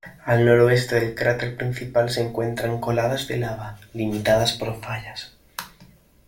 Al noreste del cráter principal se encuentran coladas de lava, limitadas por fallas.